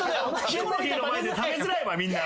ヒコロヒーの前で食べづらいみんな。